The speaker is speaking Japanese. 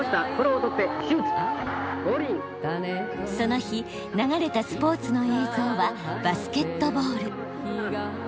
その日流れたスポーツの映像はバスケットボール。